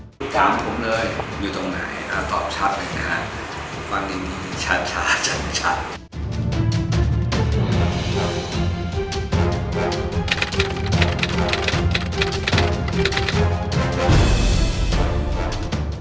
ติดตามผมเลยอยู่ตรงไหนนะตอบชัดเลยนะฮะฟังอย่างงี้ชัดชัดชัดชัด